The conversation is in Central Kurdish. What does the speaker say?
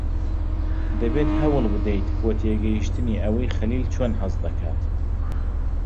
دەبێت هەوڵ بدەیت بۆ تێگەیشتنی ئەوەی خەلیل چۆن هەست دەکات.